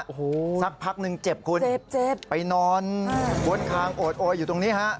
โอ้โฮสักพักหนึ่งเจ็บคุณไปนอนบนคางโอดอยู่ตรงนี้ฮะ